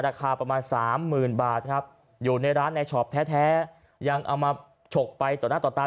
ราคาประมาณสามหมื่นบาทครับอยู่ในร้านในช็อปแท้ยังเอามาฉกไปต่อหน้าต่อตา